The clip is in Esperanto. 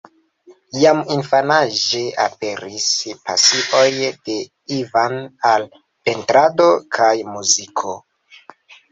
Jam infanaĝe aperis pasioj de Ivan al pentrado kaj muziko.